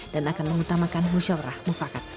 dan akan mengutamakan musyawarah mufakat